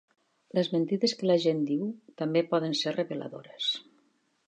Les mentides que la gent diu també poden ser reveladores.